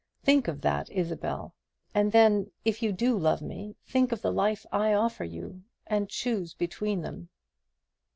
Think of that, Isabel; and then, if you do love me, think of the life I offer you, and choose between them."